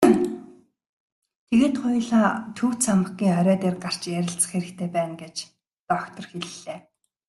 Тэгээд хоёулаа төв цамхгийн орой дээр гарч ярилцах хэрэгтэй байна гэж доктор хэллээ.